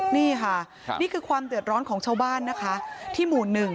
นี่ค่ะนี่คือความเดือดร้อนของชาวบ้านนะคะที่หมู่๑